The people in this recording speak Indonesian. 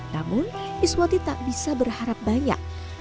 namun iswati tak bisa berharap banyak